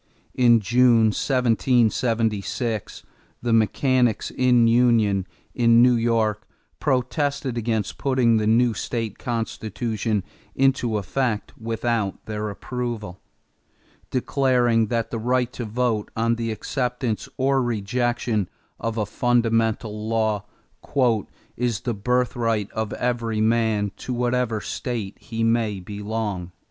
In June, 1776, the "mechanicks in union" in New York protested against putting the new state constitution into effect without their approval, declaring that the right to vote on the acceptance or rejection of a fundamental law "is the birthright of every man to whatever state he may belong."